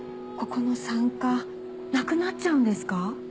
ここの産科なくなっちゃうんですか？